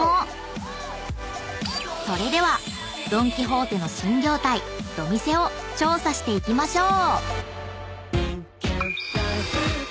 ［それではドン・キホーテの新業態ドミセを調査していきましょう］